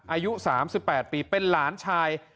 อายุ๓๘ปีเป็นหลานชาย